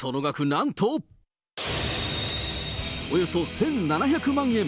なんと、およそ１７００万円。